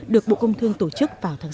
được bộ công thương tổ chức vào tháng sáu